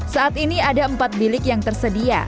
saat ini ada empat bilik yang tersedia